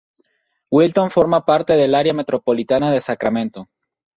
Wilton forma parte del área metropolitana de Sacramento.